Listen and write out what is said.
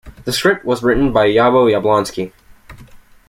The script was written by Yabo Yablonsky.